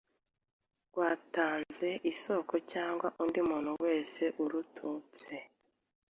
rwatanze isoko cyangwa undi muntu wese uturutse